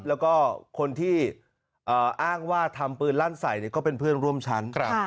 แล้วก็คนที่อ้างว่าทำปืนลั่นใส่ก็เป็นเพื่อนร่วมชั้น